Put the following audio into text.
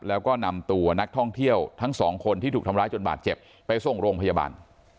แล้วก็นำตัวนักท่องเที่ยวทั้งสองคนที่ถูกทำร้ายจนบาดเจ็บไปส่งโรงพยาบาล